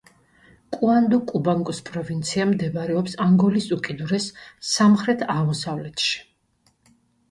კუანდო-კუბანგოს პროვინცია მდებარეობს ანგოლის უკიდურეს სამხრეთ-აღმოსავლეთში.